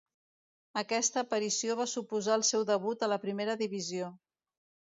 Aquesta aparició va suposar el seu debut a la Primera Divisió.